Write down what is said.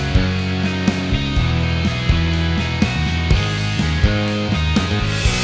kutuk tangan ini